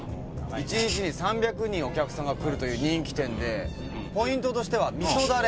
１日に３００人お客さんが来るという人気店でポイントとしては味噌ダレ。